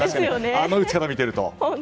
あの打ち方を見ていると。